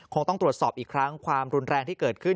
คงต้องตรวจสอบอีกครั้งความรุนแรงที่เกิดขึ้น